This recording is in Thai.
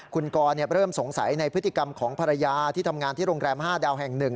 คุณกรเริ่มสงสัยในพฤติกรรมของภรรยาที่ทำงานที่โรงแรม๕ดาวแห่ง๑